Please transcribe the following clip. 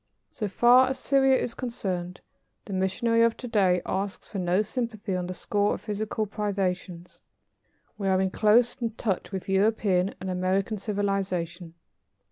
So far as Syria is concerned, the missionary of to day asks for no sympathy on the score of physical privations. We are in close touch with European and American civilization.